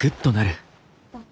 あっ。